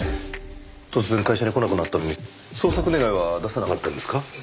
突然会社に来なくなったのに捜索願は出さなかったんですか？